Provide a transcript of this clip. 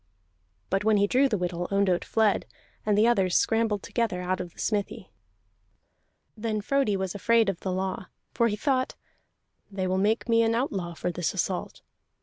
But when he drew the whittle, Ondott fled, and the others scrambled together out of the smithy. Then Frodi was afraid of the law, for he thought: "They will make me an outlaw for this assault."